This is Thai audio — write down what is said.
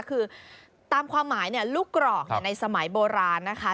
คือตามความหมายลูกกรอกในสมัยโบราณนะคะ